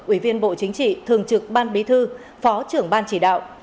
ủy viên bộ chính trị thường trực ban bí thư phó trưởng ban chỉ đạo